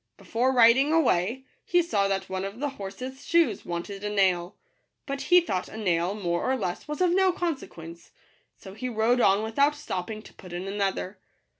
Before riding ^ away, he saw that one of the horse's shoes wanted a nail ; but he thought a nail more or less was of no consequence: so he rode on without stopping to put in another.